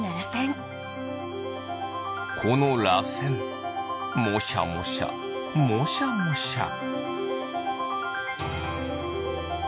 このらせんモシャモシャモシャモシャ。